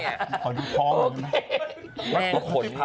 ขอดูท้องหนึ่งนะ